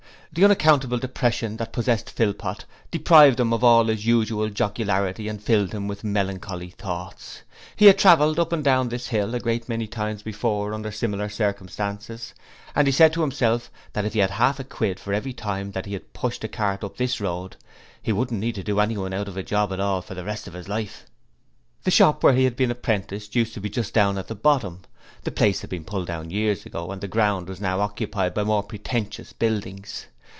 The unaccountable depression that possessed Philpot deprived him of all his usual jocularity and filled him with melancholy thoughts. He had travelled up and down this hill a great many times before under similar circumstances and he said to himself that if he had half a quid now for every time he had pushed a cart up this road, he wouldn't need to do anyone out of a job all the rest of his life. The shop where he had been apprenticed used to be just down at the bottom; the place had been pulled down years ago, and the ground was now occupied by more pretentious buildings.